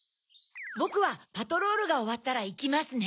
ぼくはパトロールがおわったらいきますね。